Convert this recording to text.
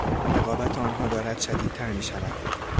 رقابت آنها دارد شدیدتر میشود.